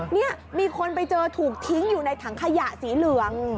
นี่มีคนไปเจอถูกทิ้งอยู่ในถังขยะสีเหลือง